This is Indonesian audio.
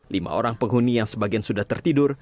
lima orang penghuni yang sebagian sudah tertidur